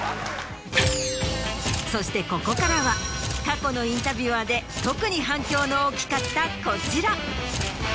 そしてここからは過去のインタビュアーで特に反響の大きかったこちら。